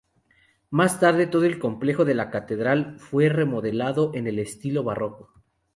Más tarde, todo el complejo de la catedral fue remodelado en el estilo barroco.